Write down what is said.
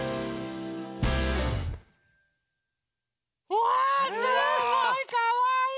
うわすごいかわいいよね。